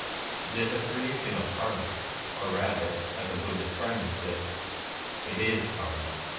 It is a creation of Karma, — or rather, as a Bud dhist friend insists, it is Karma.